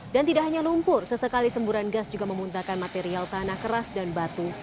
dan tidak hanya lumpur sesekali semburan gas juga memuntahkan material tanah keras dan batu